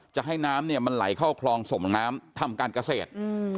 จะให้น้ำเนี่ยมันไหลเข้าคลองส่งน้ำทำการเกษตร